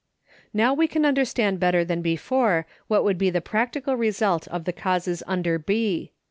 Now we can understand better than before what would be the practical result of the causes under B.